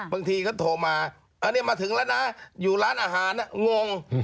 บางทีก็โทรมาอันนี้มาถึงแล้วนะอยู่ร้านอาหารงง